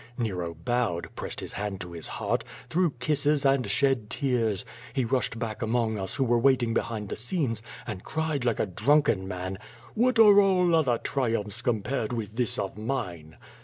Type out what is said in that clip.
Nero bowed, pressed his hand to his heart, threw kisses and shed tears. He rushed back among us who were waiting behind the scenes, and cried like a drunken man: '^What are all other triumphs compared with this of mine?''